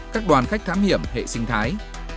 các đoàn khách thám hiểm hệ sinh thái